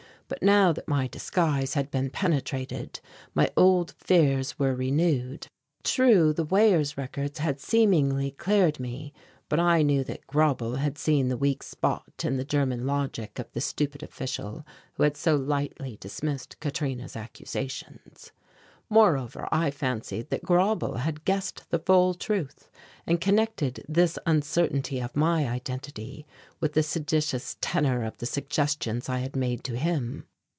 But now that my disguise had been penetrated, my old fears were renewed. True, the weigher's records had seemingly cleared me, but I knew that Grauble had seen the weak spot in the German logic of the stupid official, who had so lightly dismissed Katrina's accusations. Moreover, I fancied that Grauble had guessed the full truth and connected this uncertainty of my identity with the seditious tenor of the suggestions I had made to him.